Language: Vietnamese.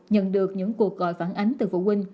nhận được những cuộc gọi phản ánh từ phụ huynh